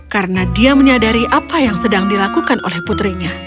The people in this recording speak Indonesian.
karena dia menyadari apa yang sedang dilakukan oleh putrinya